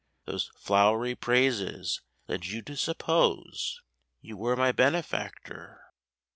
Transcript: Those flowery praises led you to suppose You were my benefactor.